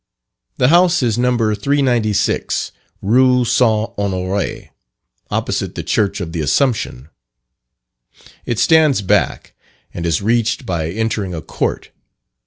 The house is No. 396, Rue St. Honore, opposite the Church of the Assumption. It stands back, and is reached by entering a court.